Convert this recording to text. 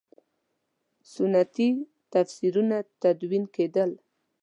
سنتي تفسیرونه تدوین کېدل.